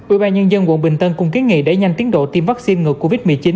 ủy ban nhân dân quận bình tân cũng kế nghị để nhanh tiến độ tiêm vaccine ngược covid một mươi chín